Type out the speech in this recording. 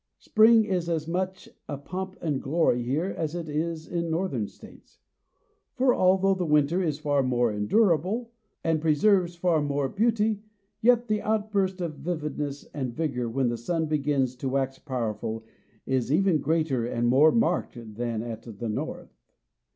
Spring is as much a pomp and a glory here as in Northern States; for although the winter is far more endurable, and preserves far more beauty, yet the outburst of vividness and vigor when the sun begins to wax powerful is even greater and more marked than at the North.